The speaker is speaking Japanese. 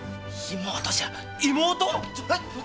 妹！？